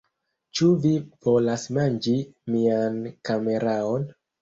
Cxu vi volas manĝi mian kameraon?